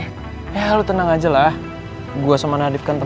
hai kak udah gak usah kaku santai